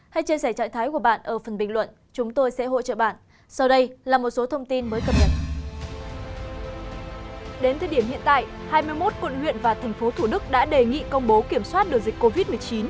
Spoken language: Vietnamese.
hiện tại hai mươi một quận huyện và thành phố thủ đức đã đề nghị công bố kiểm soát đồ dịch covid một mươi chín